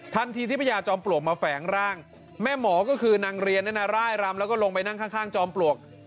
ทันทีที่พญาจอมปลวกมาแฝงร่างแม่หมอก็คือนางเรียนเนี่ยนะร่ายรำแล้วก็ลงไปนั่งข้างจอมปลวก